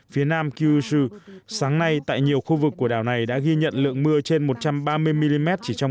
phía nam kyushu sáng nay tại nhiều khu vực của đảo này đã ghi nhận lượng mưa trên một trăm ba mươi mm chỉ trong